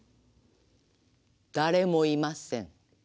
誰もいません。